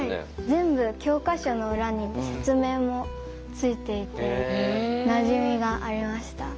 全部教科書の裏に説明もついていてなじみがありました。